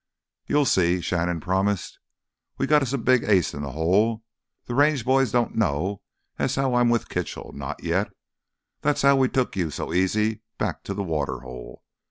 "You'll see," Shannon promised. "We've got us a big ace in th' hole—th' Range boys don't know as how I'm with Kitchell, not yet. That's how we took you so easy back to th' water hole.